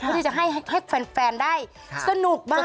เพื่อที่จะให้แฟนได้สนุกมาก